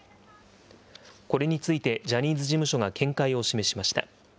これについて、ジャニーズ事務所が見解を示しました。